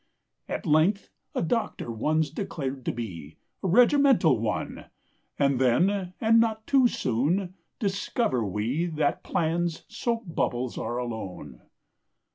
At length a doctor one's declared to be, A regimental one! And then, and not too soon, discover we That plans soap bubbles are alone.